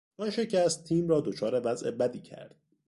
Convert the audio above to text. آن شکست تیم را دچار وضع بدی کرد.